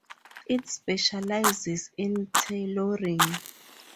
It specialises in tailoring.